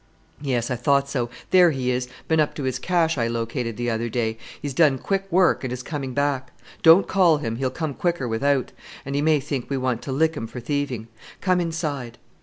"Yes, I thought so; there he is, been up to his cache I located the other day; he's done quick work and is coming back. Don't call him, he'll come quicker without, and he may think we want to lick him for thieving. Come inside."